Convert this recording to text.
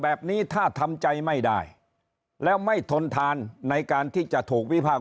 แบบนี้ถ้าทำใจไม่ได้แล้วไม่ทนทานในการที่จะถูกวิพากษ